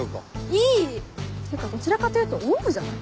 いい！ってかどちらかというとおんぶじゃない？